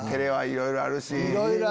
いろいろある！